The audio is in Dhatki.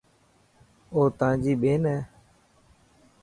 اوتانجي ٻين هي.